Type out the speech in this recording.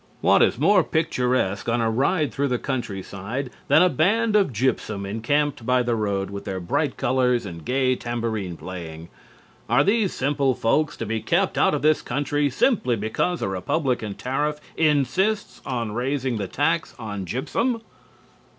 What more picturesque on a ride through the country side than a band of gypsum encamped by the road with their bright colors and gay tambourine playing? Are these simple folk to be kept out of this country simply because a Republican tariff insists on raising the tax on gypsum?